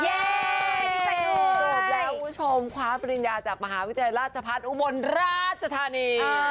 จบแล้วคุณผู้ชมความปริญญาจากมหาวิทยาลาชภัทรอุบรรณราชธานี